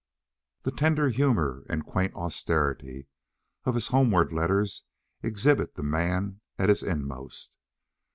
The tender humour and quaint austerity of his homeward letters exhibit the man at his inmost.